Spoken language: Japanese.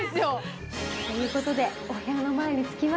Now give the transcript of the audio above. という事でお部屋の前に着きました。